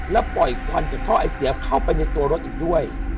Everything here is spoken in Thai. และปล่อยควันจากท่อไอเสียเข้าไปในตัวรถอีกด้วย